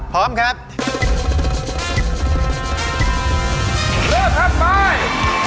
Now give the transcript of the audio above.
เริ่มครับไป